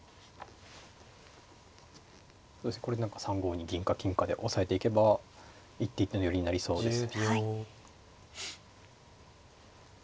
これで何か３五に銀か金かで押さえていけば一手一手の寄りになりそうです。